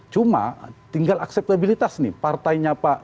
cuma tinggal akseptabilitas nih partainya pak